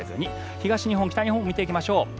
東日本、北日本見ていきましょう。